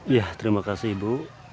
ya terima kasih ibu